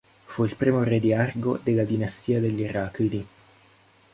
Fu il primo re di Argo della dinastia degli Eraclidi.